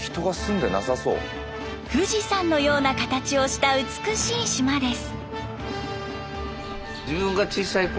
富士山のような形をした美しい島です。